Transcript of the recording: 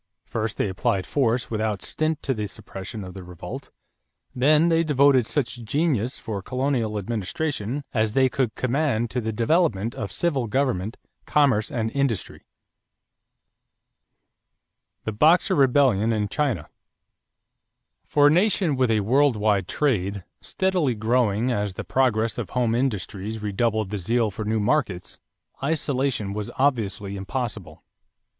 First, they applied force without stint to the suppression of the revolt. Then they devoted such genius for colonial administration as they could command to the development of civil government, commerce, and industry. [Illustration: Copyright by Underwood and Underwood, N.Y. A PHILIPPINE HOME] =The Boxer Rebellion in China.= For a nation with a world wide trade, steadily growing, as the progress of home industries redoubled the zeal for new markets, isolation was obviously impossible.